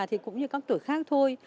thì cũng như các tuổi khác thôi